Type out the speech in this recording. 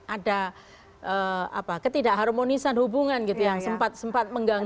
ada ketidakharmonisan hubungan yang sempat mengganggu